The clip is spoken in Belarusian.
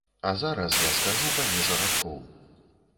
А зараз я скажу паміж радкоў.